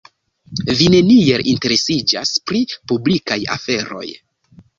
Vi neniel interesiĝas pri publikaj aferoj.